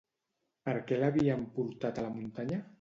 Per què l'havien portat a la muntanya?